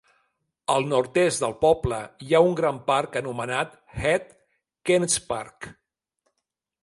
Al nord-est del poble hi ha un gran parc anomenat "Het Kernspark".